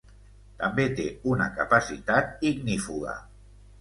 També té una capacitat ignífuga.